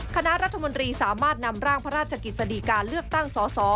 คณะรัฐมนตรีสามารถนำร่างพระราชกิจสดีการเลือกตั้งสส